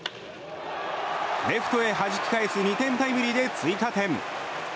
レフトへはじき返す２点タイムリーで追加点。